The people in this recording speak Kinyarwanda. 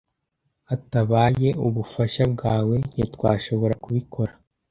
Hatabaye ubufasha bwawe, ntitwashoboraga kubikora.